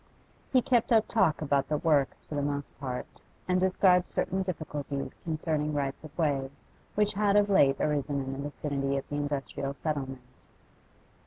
He kept up talk about the works for the most part, and described certain difficulties concerning rights of way which had of late arisen in the vicinity of the industrial settlement.